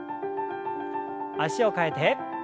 脚を替えて。